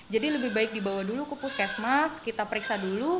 jadi lebih baik dibawa dulu ke puskesmas kita periksa dulu